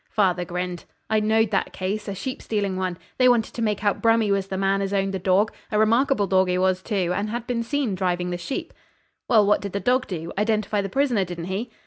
Father grinned. 'I know'd that case a sheep stealing one. They wanted to make out Brummy was the man as owned the dorg a remarkable dorg he was, too, and had been seen driving the sheep.' 'Well, what did the dog do? Identify the prisoner, didn't he?'